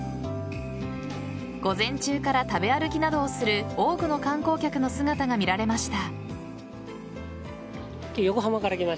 午前中から食べ歩きなどをする多くの観光客の姿が見られました。